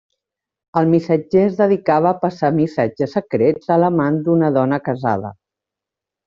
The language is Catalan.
El missatger es dedicava a passar missatges secrets a l'amant d'una dona casada.